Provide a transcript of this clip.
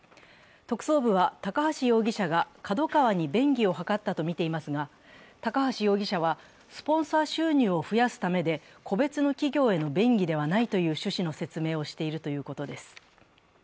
特捜部は高橋容疑者がＫＡＤＯＫＡＷＡに便宜を図ったとみていますが、高橋容疑者はスポンサー収入を増やすためで個別の企業への便宜ではないとの趣旨の説明をしているということです。